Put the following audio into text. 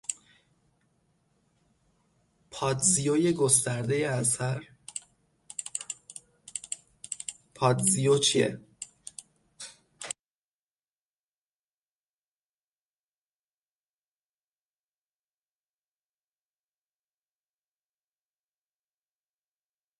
پادزیوی گسترده اثر